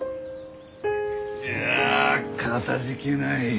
いやかたじけない。